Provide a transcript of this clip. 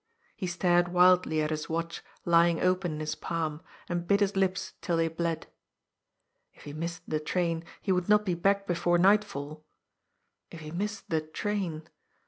He stared wildly at his watch lying open in his palm, and bit his lips till they bled. If he missed the train, he would not be back before nightfall. If he missed the train!